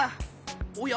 おや？